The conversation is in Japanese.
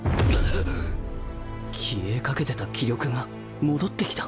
消えかけてた気力が戻ってきた？